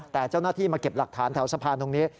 แต่เจ้าหน้าที่มาเก็บหลักฐานแถวสะพานตรงนี้